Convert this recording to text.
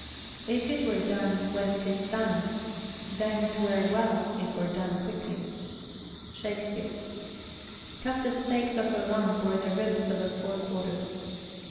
If it were done, when 'tis done, then 'twere well, It were done quickly. SHAKSPEARE. Cut the steaks off a rump or the ribs of a fore quarter.